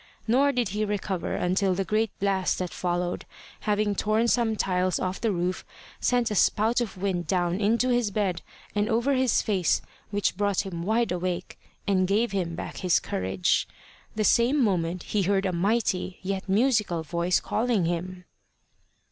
Nor did he recover until the great blast that followed, having torn some tiles off the roof, sent a spout of wind down into his bed and over his face, which brought him wide awake, and gave him back his courage. The same moment he heard a mighty yet musical voice calling him.